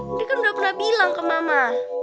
indri kan udah pernah bilang ke mama